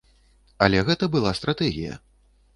Але гэта была стратэгія.